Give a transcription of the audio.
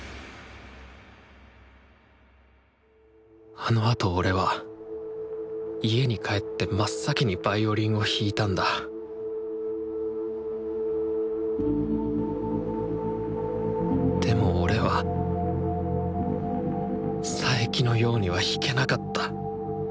あのあと俺は家に帰って真っ先にヴァイオリンを弾いたんだでも俺は佐伯のようには弾けなかった。